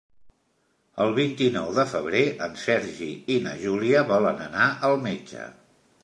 El vint-i-nou de febrer en Sergi i na Júlia volen anar al metge.